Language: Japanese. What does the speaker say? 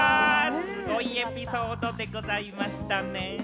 すごいエピソードでございましたね。